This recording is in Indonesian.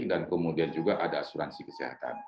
dan kemudian juga ada asuransi kesehatan